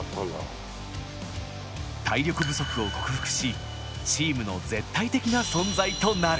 体力不足を克服しチームの絶対的な存在となる。